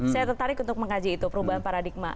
saya tertarik untuk mengkaji itu perubahan paradigma